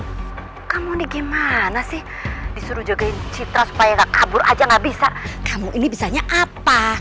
bisanya apa kamu ini gimana sih disuruh jagain citra supaya enggak kabur aja nggak bisa kamu ini bisanya apa